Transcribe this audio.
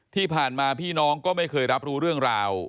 ที่ผ่านมาพี่น้องก็ไม่เคยรับรู้เรื่องราว